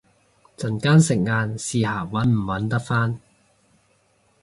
陣間食晏試下搵唔搵得返